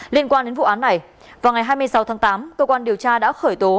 liên quan đến vụ án này vào ngày hai mươi sáu tháng tám cơ quan điều tra đã khởi tố